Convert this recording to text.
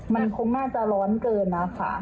มันคงน่าจะร้อนเกินนะคะ